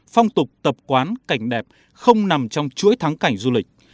phong tục tập quán cảnh đẹp không nằm trong chuỗi thắng cảnh du lịch